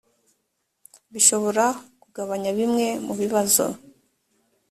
bishobora kugabanya bimwe mu bibazo